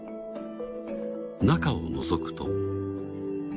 中をのぞくと。